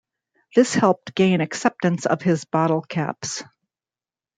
This helped gain acceptance of his bottle caps.